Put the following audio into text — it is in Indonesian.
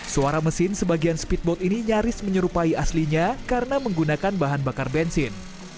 suara mesin sebagian speedboat ini nyaris menyerupai aslinya karena menggunakan bahan bakar bensin